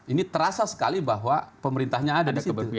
ini terasa sekali bahwa pemerintahnya ada di keberpihakan